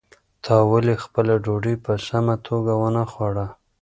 تا ولې خپله ډوډۍ په سمه توګه ونه خوړه؟